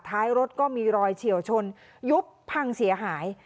ท้ายรถก็มีรอยเฉียวชนยุบพังเสียหาย